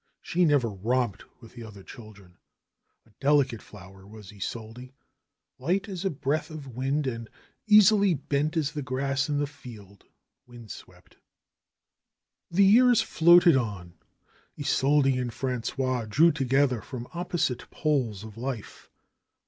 She never romped with the other children. A delicate flower was Isolde, light as a breath of wind and as easily bent as the grass in the field, wind swept. The years floated on. Isolde and Frangois drew to gether from opposite poles of life.